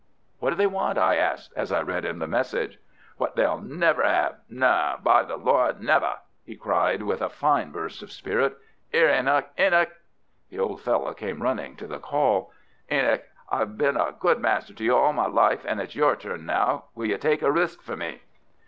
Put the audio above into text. "What do they want?" I asked, as I read him the message. "What they'll never 'ave! No, by the Lord, never!" he cried, with a fine burst of spirit. "'Ere, Enoch! Enoch!" The old fellow came running to the call. "Enoch, I've been a good master to you all my life, and it's your turn now. Will you take a risk for me?"